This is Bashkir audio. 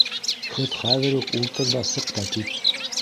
- Хыт хәҙер үк ултыр ҙа сыҡ та кит.